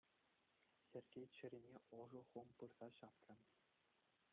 Сергей чӗрине ӑшӑ хум пырса ҫапрӗ.